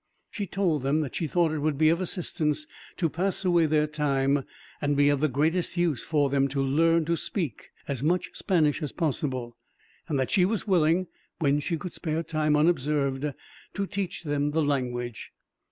She told them that she thought it would be of assistance, to pass away their time; and be of the greatest use, for them to learn to speak as much Spanish as possible; and that she was willing, when she could spare time, unobserved, to teach them the language.